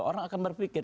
orang akan berpikir